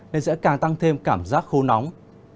nên sẽ càng tăng thêm cảm giác khô nóng